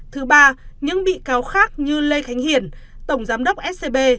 thứ ba những bị cáo khác như lê khánh hiển tổng giám đốc scb